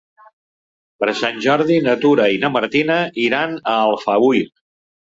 Per Sant Jordi na Tura i na Martina iran a Alfauir.